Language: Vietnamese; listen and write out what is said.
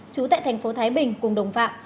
trú tại tp thái bình cùng đồng phạm